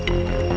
aku mau ke sana